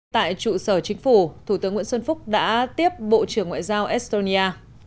tại trụ sở chính phủ thủ tướng nguyễn xuân phúc đã tiếp bộ trưởng ngoại giao estonia